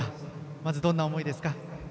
まず、どんな思いですか。